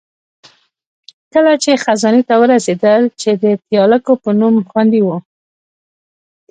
کله چې خزانې ته ورسېدل، چې د تیالکو په نوم خوندي وه.